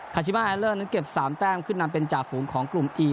ชิมาแอลเลอร์นั้นเก็บ๓แต้มขึ้นนำเป็นจ่าฝูงของกลุ่มอี